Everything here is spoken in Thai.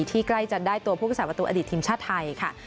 ที่ใกล้จะได้ตัวพวกศาสตร์วัตถุอดีตทีมชาติไทยค่ะ